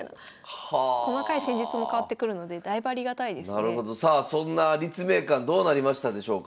なるほどさあそんな立命館どうなりましたでしょうか？